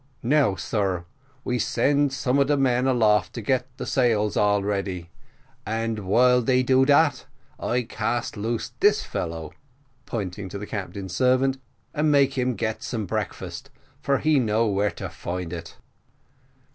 "Now, sar, we send some of the men aloft to get sails all ready, and while they do that I cast loose this fellow," pointing to the captain's servant, "and make him get some breakfast, for he know where to find it."